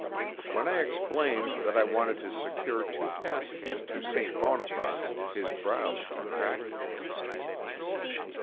When I explained that I wanted to secure two passages to St. Boniface, his brows contracted.